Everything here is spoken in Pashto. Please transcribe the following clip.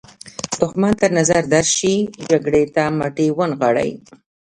دښمن تر نظر درشي جګړې ته مټې ونه نغاړئ.